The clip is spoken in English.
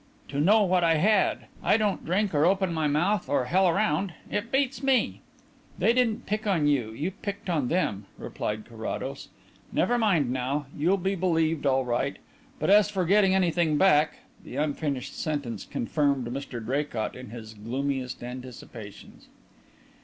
to know what I had? I don't drink, or open my mouth, or hell round. It beats me." "They didn't pick on you you picked on them," replied Carrados. "Never mind how; you'll be believed all right. But as for getting anything back " The unfinished sentence confirmed Mr Draycott in his gloomiest anticipations.